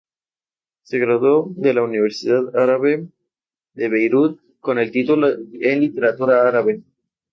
Se graduó en la Universidad Árabe de Beirut con un título en literatura árabe.